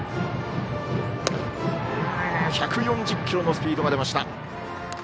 １４０キロのスピードが出ました。